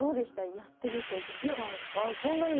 やってみて実際。